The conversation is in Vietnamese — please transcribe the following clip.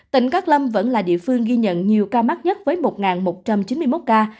tỉnh cát lâm vẫn là địa phương ghi nhận nhiều ca mắc nhất với một một trăm chín mươi một ca